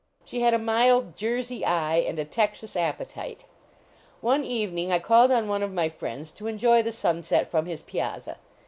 She had a mild Jersey eye and a Texas ap petite. One evening I called on one of my friends to enjoy the sunset from his piazza.